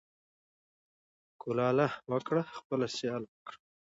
ـ کولاله وکړه خپله سياله وکړه.